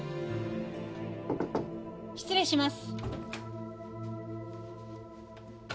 失礼します。